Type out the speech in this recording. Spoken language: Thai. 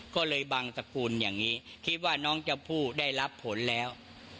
ก็เลยบังตระกูลอย่างนี้คิดว่าน้องชมพู่ได้รับผลแล้ว